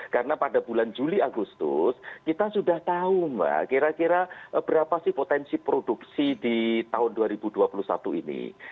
karena pada bulan juli agustus kita sudah tahu mbak kira kira berapa sih potensi produksi di tahun dua ribu dua puluh satu ini